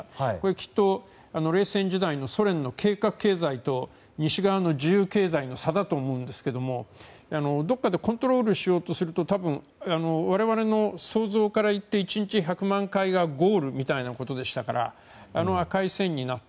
きっと冷戦時代の、ソ連の計画経済と西側の自由経済の差だと思うんですがどこかでコントロールしようと思うと、我々の想像でいくと１日１００万回がゴールみたいなことでしたから赤い線になった。